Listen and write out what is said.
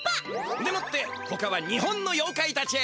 でもってほかは日本のようかいたち！